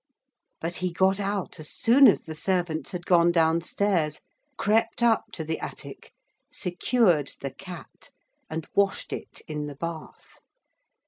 But he got out as soon as the servants had gone downstairs, crept up to the attic, secured the Cat, and washed it in the bath.